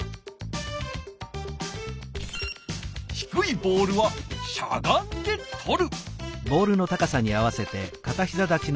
低いボールはしゃがんでとる。